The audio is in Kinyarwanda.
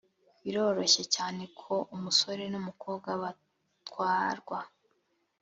biroroshye cyane ko umusore n umukobwa batwarwa